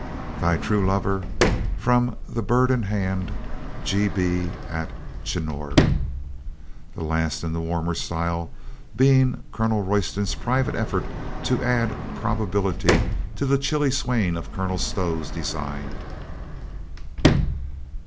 Thy true lover, From the Bird in Hand G. B. At Chinnor. (This last, in the warmer style, being Colonel Royston's private effort to add probability to the chilly swain of Colonel Stow's design.